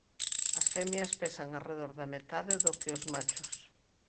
As femias pesan arredor da metade do que os machos.